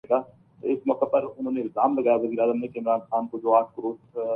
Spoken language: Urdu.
کی درامدی متبادل صنعت کے ذریعے ڈالر کی قدر کم کرنے کی تجویز